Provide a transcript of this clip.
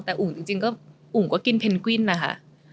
แต่อุ๋งจริงก็กินเพนกวินนะคะ